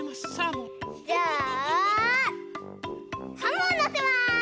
じゃあサーモンのせます！